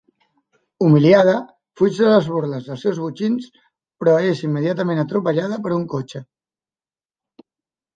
Humiliada, fuig de les burles dels seus botxins però és immediatament atropellada per un cotxe.